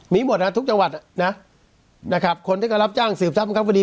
มีหมดฮะทุกจังหวัดนะนะครับคนที่ก็รับจ้างสืบทรัพย์บังคับคดี